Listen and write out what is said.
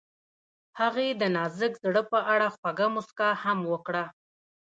هغې د نازک زړه په اړه خوږه موسکا هم وکړه.